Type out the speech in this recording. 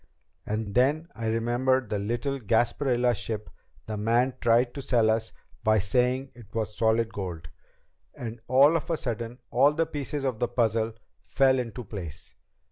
And then I remembered the little Gasparilla ship the man tried to sell us by saying it was solid gold. And all of a sudden all the pieces of the puzzle fell into place.